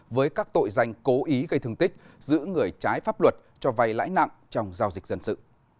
với các tội danh cố ý gây thương tích giữ người trái pháp luật cho vay lãi nặng trong giao dịch dân sự